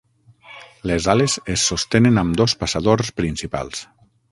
Les ales es sostenen amb dos passadors principals.